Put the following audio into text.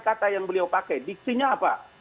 kata yang beliau pakai di sini apa